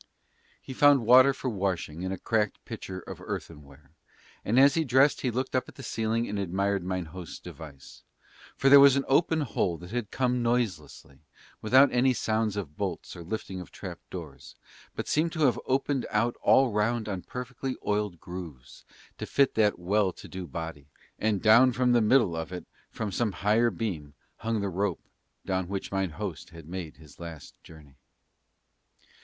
He found water for washing in a cracked pitcher of earthenware and as he dressed he looked up at the ceiling and admired mine host's device, for there was an open hole that had come noiselessly, without any sounds of bolts or lifting of trap doors, but seemed to have opened out all round on perfectly oiled grooves, to fit that well to do body, and down from the middle of it from some higher beam hung the rope down which mine host had made his last journey.